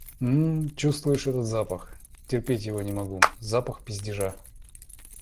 М-м-м, чувствуешь этот запах? Терпеть его не могу. Запах пиздежа.